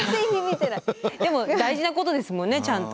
でも大事なことですもんねちゃんと。